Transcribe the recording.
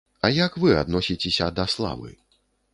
А як вы адносіцеся да славы?